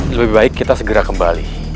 lebih baik kita segera kembali